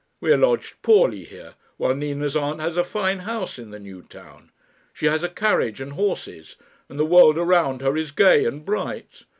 We are lodged poorly here, while Nina's aunt has a fine house in the New Town. She has a carriage and horses, and the world around her is gay and bright.